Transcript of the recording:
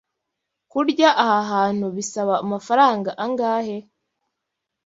Kurya aha hantu bisaba amafaranga angahe?